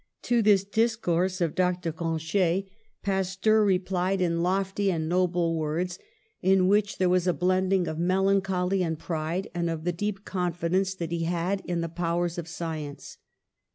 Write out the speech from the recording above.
'^ To this discourse of Dr. Grancher Pasteur re THE PASTEUR INSTITUTE 179 plied in lofty and noble words, in which there was a blending of melancholy and pride and of the deep confidence that he had in the powers of science.